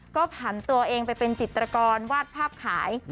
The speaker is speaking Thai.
ก็ผันตัวเองไปเป็นจิตรกรวาดภาพขาย